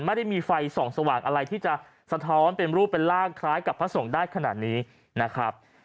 ไม่ได้มีไฟส่องสว่างอะไรที่จะสะท้อนเป็นรูปเป็นร่างคล้ายกับพระสงฆ์ได้ขนาดนี้นะครับ